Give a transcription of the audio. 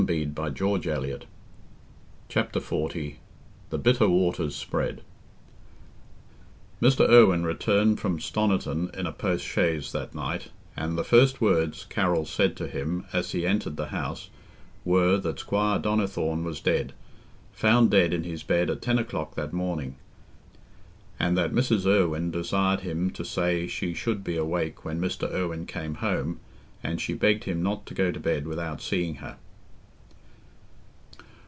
Come now, the horses are ready." Chapter XL The Bitter Waters Spread Mr. Irwine returned from Stoniton in a post chaise that night, and the first words Carroll said to him, as he entered the house, were, that Squire Donnithorne was dead—found dead in his bed at ten o'clock that morning—and that Mrs. Irwine desired him to say she should be awake when Mr. Irwine came home, and she begged him not to go to bed without seeing her.